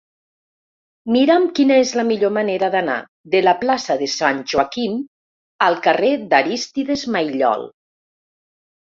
Mira'm quina és la millor manera d'anar de la plaça de Sant Joaquim al carrer d'Arístides Maillol.